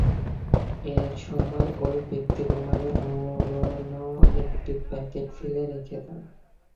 এ সময় ওই ব্যক্তি রুমালে মোড়ানো একটি প্যাকেট ফেলে রেখে যান।